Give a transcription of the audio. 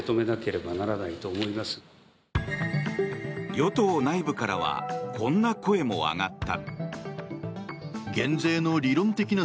与党内部からはこんな声も上がった。